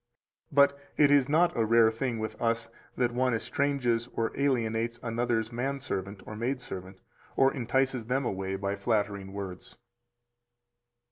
But it is not a rare thing with us that one estranges or alienates another's man servant or maid servant, or entices them away by flattering words.